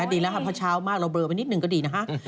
ดีแล้วครับเพราะเช้ามากเราเบลอไว้นิดหนึ่งก็ดี